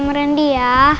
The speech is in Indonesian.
om randy sudah baik sama aku